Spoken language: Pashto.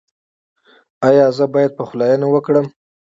ایا زه باید پخلاینه وکړم؟